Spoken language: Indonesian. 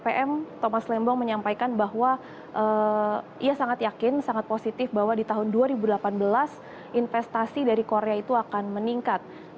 pm thomas lembong menyampaikan bahwa ia sangat yakin sangat positif bahwa di tahun dua ribu delapan belas investasi dari korea itu akan meningkat